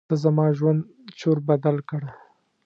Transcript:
تا زما ژوند چور بدل کړ.